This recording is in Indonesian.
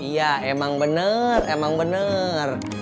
ya emang bener emang bener